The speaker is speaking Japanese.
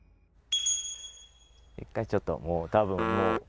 １回ちょっともう多分。